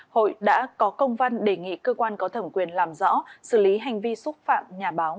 hội đã có công văn đề nghị cơ quan có thẩm quyền làm rõ xử lý hành vi xúc phạm nhà báo